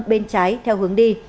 bên trái theo hướng đi